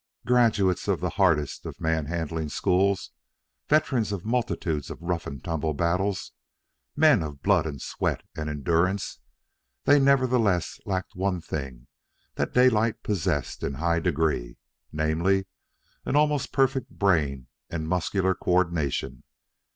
Graduates of the hardest of man handling schools, veterans of multitudes of rough and tumble battles, men of blood and sweat and endurance, they nevertheless lacked one thing that Daylight possessed in high degree namely, an almost perfect brain and muscular coordination.